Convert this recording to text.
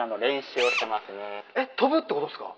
飛ぶってことっすか？